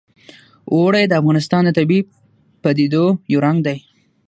اوړي د افغانستان د طبیعي پدیدو یو رنګ دی.